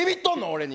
俺に？